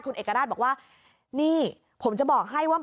คุณเอกราชบอกว่านี่ผมจะบอกให้ว่า